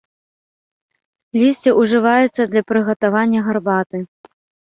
Лісце ўжываецца для прыгатавання гарбаты.